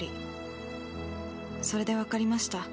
それでわかりました。